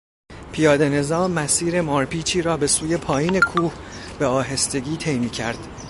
پیادهنظام مسیر مارپیچی را به سوی پایین کوه به آهستگی طی میکرد.